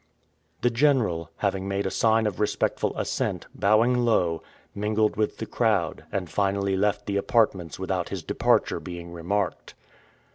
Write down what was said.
The General, having made a sign of respectful assent, bowing low, mingled with the crowd, and finally left the apartments without his departure being remarked.